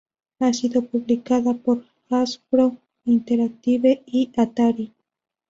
Ha sido publicada por Hasbro Interactive y Atari.